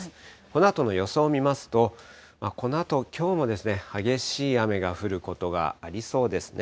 このあとの予想を見ますと、このあときょうも激しい雨が降ることがありそうですね。